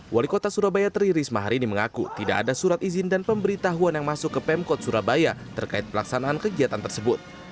wali kota surabaya tri risma hari ini mengaku tidak ada surat izin dan pemberitahuan yang masuk ke pemkot surabaya terkait pelaksanaan kegiatan tersebut